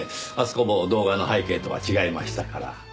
あそこも動画の背景とは違いましたから。